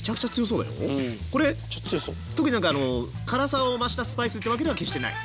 これ特に何か辛さを増したスパイスってわけでは決してない。